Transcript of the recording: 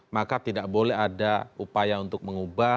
maka tidak boleh ada upaya untuk mengubah